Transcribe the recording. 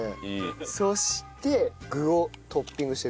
そして具をトッピングして。